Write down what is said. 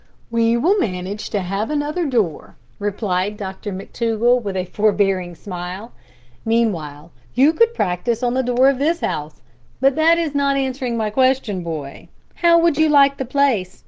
"We will manage to have another door," replied Dr McTougall, with a forbearing smile; "meanwhile you could practise on the door of this house. But that is not answering my question, boy. How would you like the place?